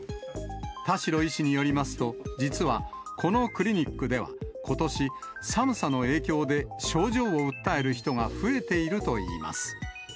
田代医師によりますと、実は、このクリニックではことし、寒さの影響で症状を訴える人が増えているといいます。